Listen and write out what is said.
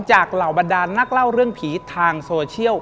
เหล่าบรรดานนักเล่าเรื่องผีทางโซเชียล